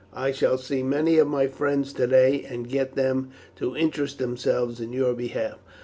"I shall see many of my friends today, and get them to interest themselves in your behalf.